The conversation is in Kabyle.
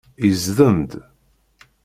Izdem-d.